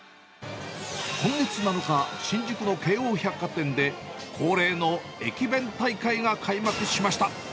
今月７日、新宿の京王百貨店で、恒例の駅弁大会が開幕しました。